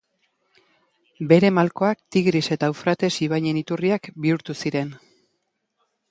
Bere malkoak Tigris eta Eufrates ibaien iturriak bihurtu ziren.